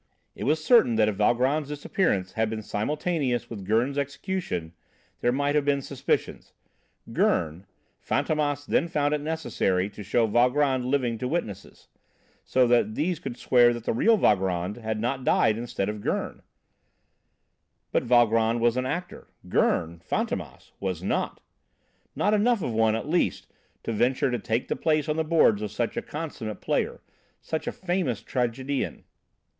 It was certain that if Valgrand's disappearance had been simultaneous with Gurn's execution, there might have been suspicions. Gurn Fantômas then found it necessary to show Valgrand living to witnesses, so that these could swear that the real Valgrand had not died instead of Gurn. But Valgrand was an actor, Gurn Fantômas was not! Not enough of one at least to venture to take the place on the boards of such a consummate player, such a famous tragedian.